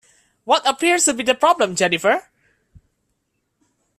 What appears to be the problem, Jennifer?